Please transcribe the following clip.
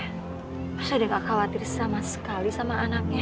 apakah ibu tidak khawatir sama sekali dengan anaknya